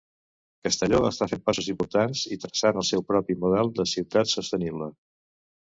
Castelló està fent passos importants i traçant el seu propi model de ciutat sostenible.